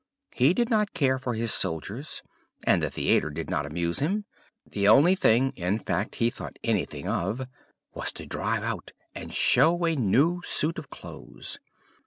He did not care for his soldiers, and the theatre did not amuse him; the only thing, in fact, he thought anything of was to drive out and show a new suit of clothes.